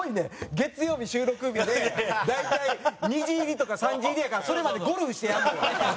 月曜日収録日で大体２時入りとか３時入りやからそれまでゴルフしてやるのよ。